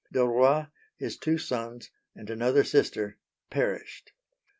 D'Aulroy, his two sons, and another sister perished.